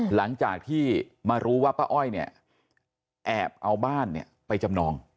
หลังจากที่มารู้ว่าป้าอ้อยเนี่ยแอบเอาบ้านไปจำนอง